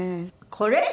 これ？